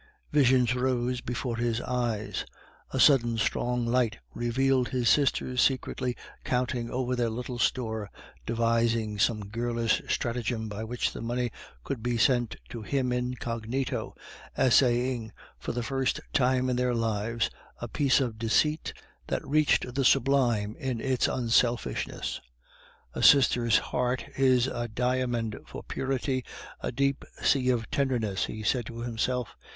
Visions rose before his eyes; a sudden strong light revealed his sisters secretly counting over their little store, devising some girlish stratagem by which the money could be sent to him incognito, essaying, for the first time in their lives, a piece of deceit that reached the sublime in its unselfishness. "A sister's heart is a diamond for purity, a deep sea of tenderness!" he said to himself.